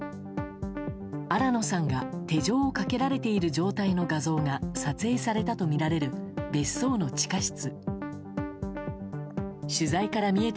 新野さんが、手錠をかけられている状態の画像が撮影されたとみられる別荘の地下室。